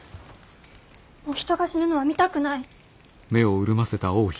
もう人が死ぬのは見たくない。